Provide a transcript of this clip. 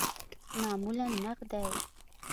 معمولاً نغدی